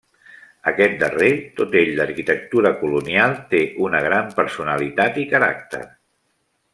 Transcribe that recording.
Aquest darrer, tot ell d'arquitectura colonial, té una gran personalitat i caràcter.